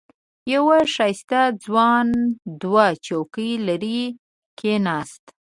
یو ښایسته ځوان دوه چوکۍ لرې کېناست.